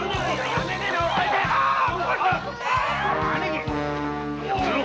やめろ！